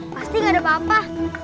pasti gak ada apa apa